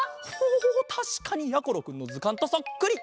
おたしかにやころくんのずかんとそっくり！